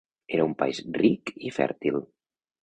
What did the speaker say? Era un país ric i fèrtil.